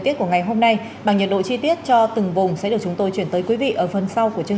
hẹn gặp lại các bạn trong những video tiếp theo